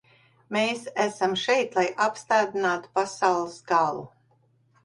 Mēs esam šeit, lai apstādinātu pasaules galu.